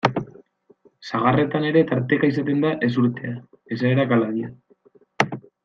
Sagarretan ere tarteka izaten da ezurtea, esaerak hala dio.